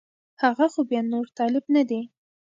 هغه خو بیا نور طالب نه دی